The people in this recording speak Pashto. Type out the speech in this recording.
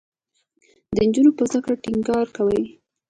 د نجونو په زده کړه ټینګار کوي.